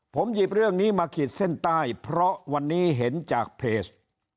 ผมหยิบเรื่องนี้มาขีดเส้นใต้เพราะวันนี้เห็นจากเพจ